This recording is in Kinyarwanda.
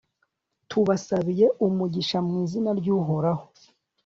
tubasabiye umugisha mu izina ry'uhoraho